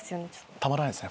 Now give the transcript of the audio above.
たまらないですね